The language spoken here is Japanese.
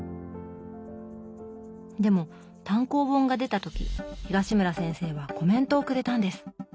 でも単行本が出た時東村先生はコメントをくれたんです。